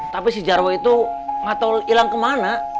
tapi si jarwo itu nggak tahu hilang kemana